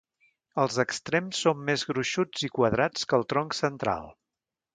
Els extrems són més gruixuts i quadrats que el tronc central.